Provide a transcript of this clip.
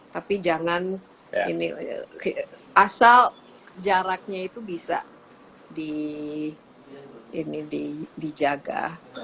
tapi jangan ini asal jaraknya itu bisa dijaga